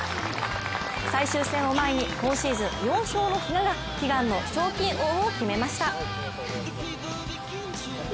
最終戦を前に、今シーズン４勝の比嘉が悲願の賞金王を決めました。